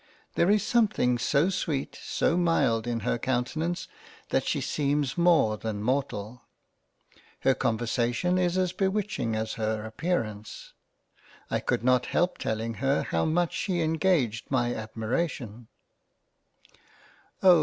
There is something so sweet, so mild in her Countenance, that she seems more than Mortal. Her Conversation is as bewitching as her appearance ; I could not help telling her how much she engaged my admiration —." Oh